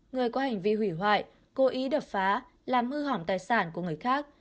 người có hành vi hủy hoại cố ý đập phá làm hư hỏng tài sản của người khác